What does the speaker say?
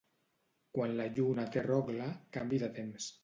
Quan la lluna té rogle, canvi de temps.